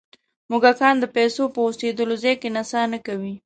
موږکان د پیسو په اوسېدلو ځای کې نڅا نه کوي.